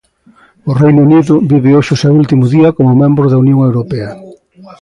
O Reino Unido vive hoxe o seu último día como membro da Unión Europea.